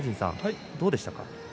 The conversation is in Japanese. どうでしたか？